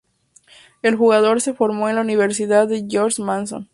El jugador se formó en la Universidad George Mason.